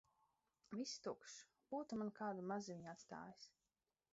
Viss tukšs. Būtu man kādu mazumiņu atstājis!